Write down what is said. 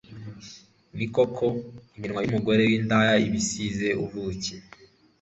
ni koko, iminwa y'umugore w'indaya iba isize ubuki